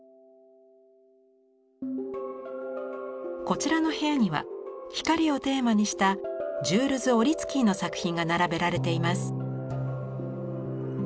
こちらの部屋には光をテーマにしたジュールズ・オリツキーの作品が並べられています。